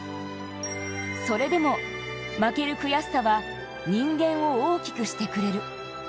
それでも、負ける悔しさは、人間を大きくしてくれる。